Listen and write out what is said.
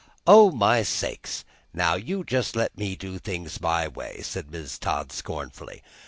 "Oh, my sakes! now you let me do things my way," said Mrs. Todd scornfully.